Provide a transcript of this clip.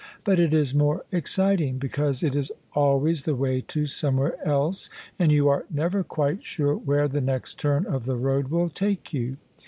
But it is more exciting, because it is always the way to somewhere else, and you are neVer quite sure where the next turn of the road will take you.